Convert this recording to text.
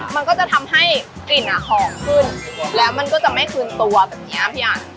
มันก็จะทำให้กลิ่นอ่ะหอมขึ้นแล้วมันก็จะไม่คืนตัวแบบนี้พี่อัน